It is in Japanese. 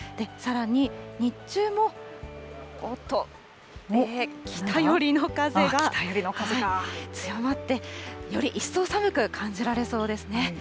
さらに、日中も、おっと、北寄りの風が強まって、より一層寒く感じられそうですね。